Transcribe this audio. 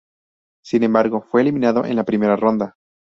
Sin embargo, fue eliminado en la primera ronda.